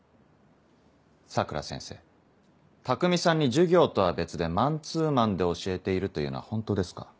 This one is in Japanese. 佐倉先生匠さんに授業とは別でマンツーマンで教えているというのは本当ですか？